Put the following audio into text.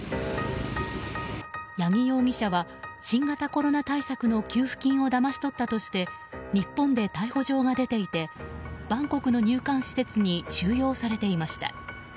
八木容疑者は新型コロナ対策の給付金をだまし取ったとして日本で逮捕状が出ていてバンコクの入管施設に収容されていました。